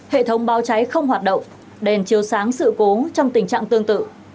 hệ thống báo cháy không hoạt động đèn chiếu sáng sự cố trong tình trạng tương tự